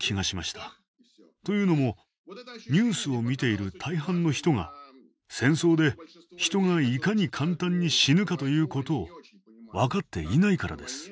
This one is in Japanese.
というのもニュースを見ている大半の人が戦争で人がいかに簡単に死ぬかということを分かっていないからです。